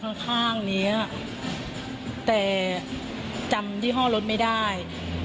รถออกมาเบิ้ลเผาอย่างอยู่ข้างนี้แต่จำยี่ห้อรถไม่ได้